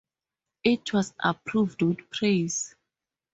It was approved with praise.